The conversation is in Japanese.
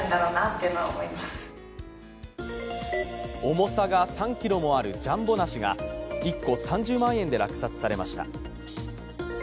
重さが３ｋｇもあるジャンボ梨が１個３０万円で落札されました。